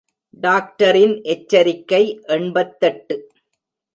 டாக்டரின் எச்சரிக்கை எண்பத்தெட்டு.